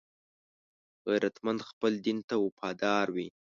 غیرتمند خپل دین ته وفادار وي